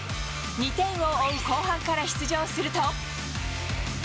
２点を追う後半から出場すると。